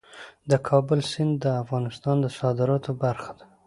د کابل سیند د افغانستان د صادراتو برخه ده.